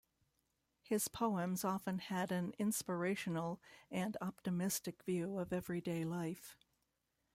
His poems often had an inspirational and optimistic view of everyday life.